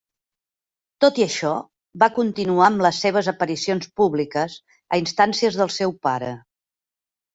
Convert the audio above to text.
Tot i això, va continuar amb les seves aparicions públiques a instàncies del seu pare.